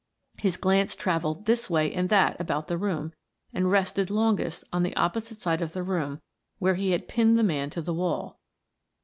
His glance traveled this way and that about the room and rested longest on the opposite side of the room where he had pinned the man to the wall.